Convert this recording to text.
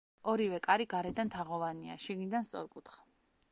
ორივე კარი გარედან თაღოვანია, შიგნიდან სწორკუთხა.